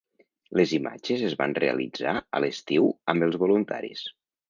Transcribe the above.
Les imatges es van realitzar a l’estiu amb els voluntaris.